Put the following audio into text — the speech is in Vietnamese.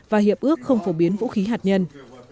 và hiệp ước không phổ biến vũ khí hạt nhân